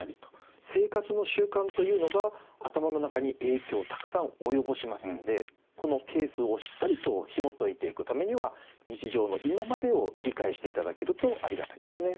生活の習慣というのが頭の中に影響をたくさん及ぼしますのでこのケースをしっかりとひもといていくためには日常の今までを理解していただけるとありがたいですね。